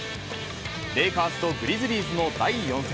レイカーズとグリズリーズの第４戦。